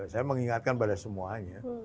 saya mengingatkan pada semuanya